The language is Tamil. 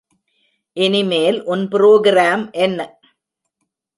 இனிமேல் உன் புரோகிராம் என்ன?